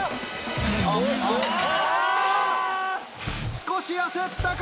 少し焦ったか？